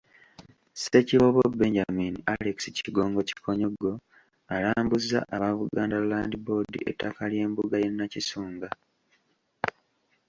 Ssekiboobo Benjamin Alex Kigongo Kikonyogo alambuzza aba Buganda Land Board ettaka ly’embuga y’e Nakisunga.